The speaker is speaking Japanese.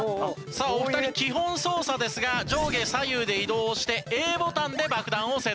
さあお二人基本操作ですが上下左右で移動をしてＡボタンで爆弾をセットします。